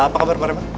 apa kabar bareng bareng